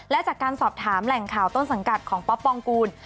และจากการสอบถามแหล่งข่าวต้นสังกัดของป๊อปปองกูล